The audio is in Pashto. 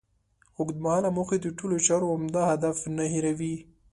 اوږد مهاله موخې د ټولو چارو عمده هدف نه هېروي.